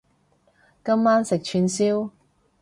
今晚食串燒